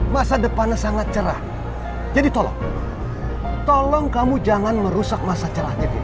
masa depannya sangat cerah jadi tolong tolong kamu jangan merusak masa cerah jadi